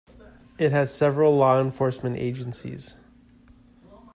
It has several law enforcement agencies.